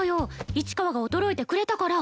市川が驚いてくれたから。